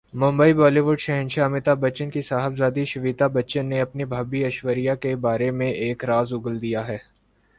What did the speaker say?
ممبئی بالی would کے شہنشاہ امیتابھبچن کی صاحبزادی شویتا بچن نے اپنی بھابھی ایشوریا کے بارے ایک راز اگل دیا ہے